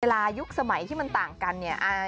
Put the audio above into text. ยุคสมัยที่มันต่างกันเนี่ย